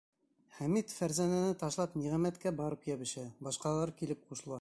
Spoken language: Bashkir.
Хәмит Фәрзәнәне ташлап Ниғәмәткә барып йәбешә, башҡалар килеп ҡушыла.